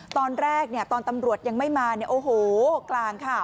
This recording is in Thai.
ตอนแรกตอนตำรวจยังไม่มาเนี่ยโอ้โหกลางค่ะ